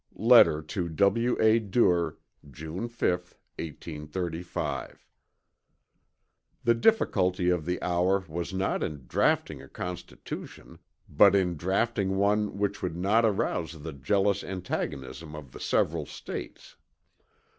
Letter to W. A. Duer, June 5th, 1835. The difficulty of the hour was not in draughting a constitution, but in draughting one which would not arouse the jealous antagonism of the several States.